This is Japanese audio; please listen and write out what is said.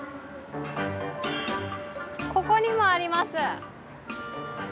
ここにもあります。